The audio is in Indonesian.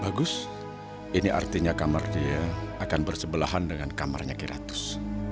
bagus ini artinya kamar dia akan bersebelahan dengan kamarnya kiratus